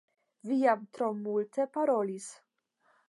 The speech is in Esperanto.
Vi jam tro multe parolis